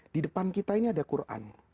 di depan kita ini ada quran